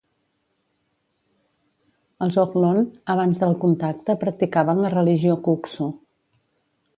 Els ohlone abans del contacte practicaven la religió Kuksu.